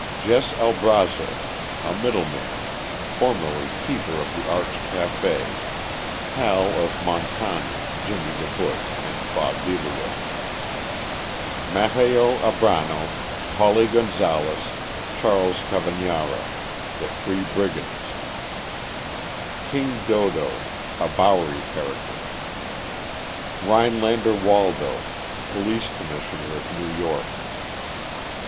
JESS ALBRAZZO, a middleman, formerly keeper of the Arch Café, pal of Montani, "Jimmy the Push" and Bob Deilio. MATTEO ARBRANO, } PAULI GONZALES, } The "Three Brigands." CHARLES CAVAGNARO, } "KING DODO," a Bowery character. RHINELANDER WALDO, Police Commissioner of New York.